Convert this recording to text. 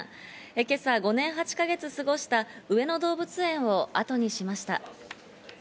今朝５年８か月過ごした上野動物園をあとにしました。